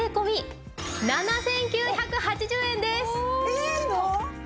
いいの！？